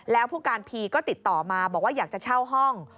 แล้วผู้การพีก็ติดต่อมาบอกว่าอยากจะเช่าห้อง